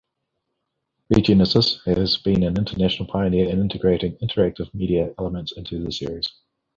"ReGenesis" has been an international pioneer in integrating interactive media elements into the series.